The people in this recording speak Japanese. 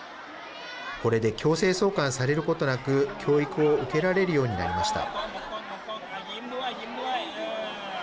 これで強制送還されることなく、教育を受けられるようになりました。